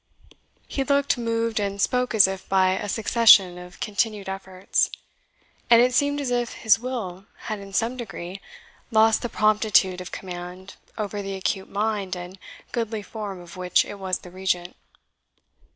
He looked, moved, and spoke as if by a succession of continued efforts; and it seemed as if his will had in some degree lost the promptitude of command over the acute mind and goodly form of which it was the regent.